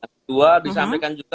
yang kedua disampaikan juga